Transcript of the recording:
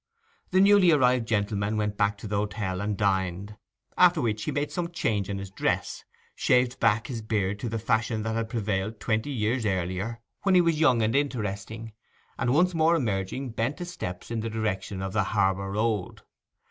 The newly arrived gentleman went back to the hotel and dined; after which he made some change in his dress, shaved back his beard to the fashion that had prevailed twenty years earlier, when he was young and interesting, and once more emerging, bent his steps in the direction of the harbour road.